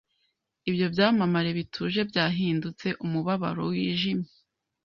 Ibyo byamamare bituje byahindutse umubabaro wijimye